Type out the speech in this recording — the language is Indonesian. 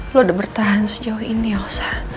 lo udah bertahan sejauh ini elsa